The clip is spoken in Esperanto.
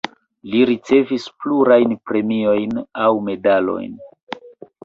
Li ricevis plurajn premiojn aŭ medalojn.